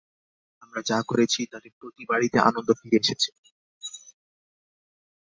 আমরা যা করেছি তাতে প্রতি বাড়িতে আনন্দ ফিরে এসেছে।